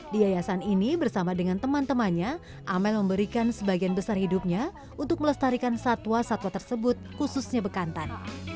di yayasan ini bersama dengan teman temannya amel memberikan sebagian besar hidupnya untuk melestarikan satwa satwa tersebut khususnya bekantan